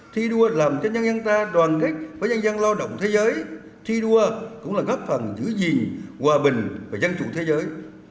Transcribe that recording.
thi đua làm cho nhân dân ta đoàn kết với nhân dân lo động thế giới thi đua cũng là góp phần giữ gìn hòa bình và dân chủ thế giới